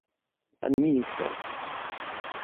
Pani minister!